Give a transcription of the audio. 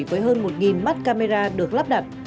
với hơn một mắt camera được lắp đặt